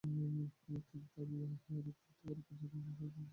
তিনি তাপীয় আয়নন তথ্য পরীক্ষার জন্য একটি যন্ত্র তৈরি করেছিলেন।